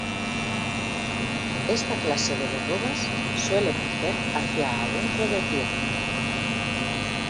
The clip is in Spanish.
Esta clase de verrugas suele crecer hacia adentro del pie.